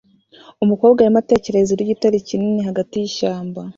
Umukobwa arimo atekereza hejuru yigitare kinini hagati yishyamba